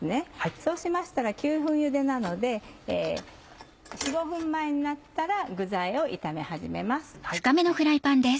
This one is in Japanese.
そうしましたら９分ゆでなので４５分前になったら具材を炒め始めます。